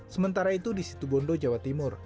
sementara itu di situbondo jawa timur